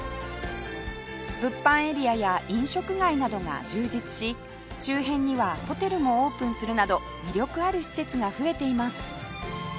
物販エリアや飲食街などが充実し周辺にはホテルもオープンするなど魅力ある施設が増えています